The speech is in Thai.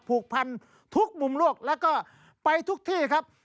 ผูกพันทุกมุมโลกแล้วก็ไปทุกที่ครับ